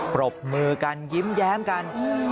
ปรบมือกันยิ้มแย้มกัน